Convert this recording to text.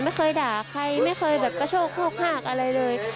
ไม่เคยด่าใครไม่เคยแบบกระโชคโฮกหากอะไรเลย